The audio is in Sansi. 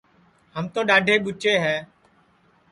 ہم تو ڈؔاڈھے ٻوچے